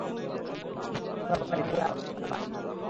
মুঠোফোন বন্ধ থাকায় ডিসি আবু হেনা মোরশেদ জামানের সঙ্গে যোগাযোগ করা যায়নি।